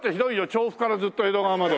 調布からずっと江戸川まで。